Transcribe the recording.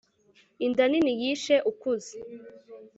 inda nini yishe ukuze